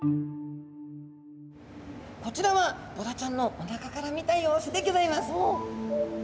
こちらはボラちゃんのおなかから見た様子でギョざいます！